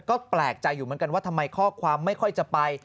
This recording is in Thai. ก็แปลกใจอยู่เหมือนกันว่าทำไมข้อความไม่ค่อยจะไป